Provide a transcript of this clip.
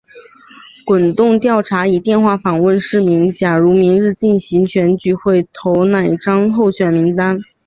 滚动调查以电话访问市民假如明日进行选举会投哪张候选名单。